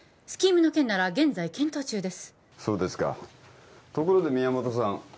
スキームの件なら現在検討中ですそうですかところで宮本さん